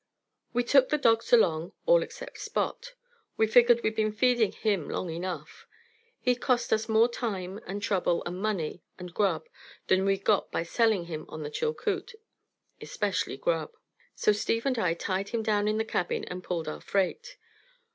We took the dogs along, all except Spot. We figured we'd been feeding him long enough. He'd cost us more time and trouble and money and grub than we'd got by selling him on the Chilcoot especially grub. So Steve and I tied him down in the cabin and pulled our freight.